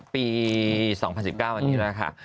ปี๒๐๑๙อันนี้แหละค่ะ